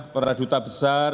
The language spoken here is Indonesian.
para duta besar